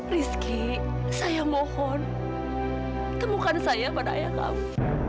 rizky saya mohon temukan saya pada ayah kamu